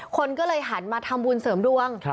คนก็เลยหันมาทำบุญเสริมดวง